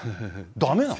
だめなの？